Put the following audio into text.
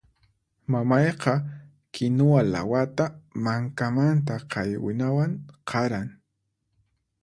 Mamayqa kinuwa lawata mankamanta qaywinawan qaran.